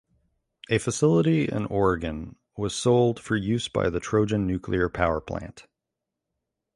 A facility in Oregon was sold for use by the Trojan Nuclear Power Plant.